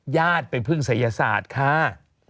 ยาตรไปพึ่งสยสาจค่ะ